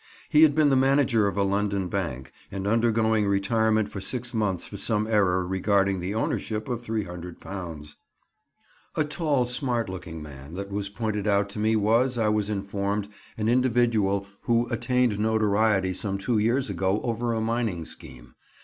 He had been the manager of a London bank, and undergoing retirement for six months for some error regarding the ownership of £300. A tall, smart looking man that was pointed out to me, was, I was informed, an individual who attained notoriety some two years ago over a mining scheme.